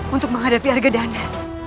untuk menghadapi argadana